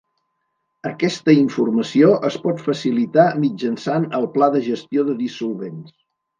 Aquesta informació es pot facilitar mitjançant el Pla de gestió de dissolvents.